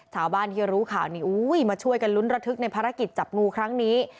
ชาวบ้านที่รู้ข่าวนี้มาช่วยกันลุ้นระทึกในภารกิจจับงูครั้งนี้